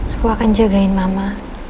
aku akan jagain mama